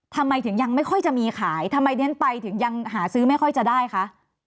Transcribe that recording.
ทำไมถึงยังไม่ค่อยจะมีขายทำไมเรียนไปถึงยังหาซื้อไม่ค่อยจะได้คะ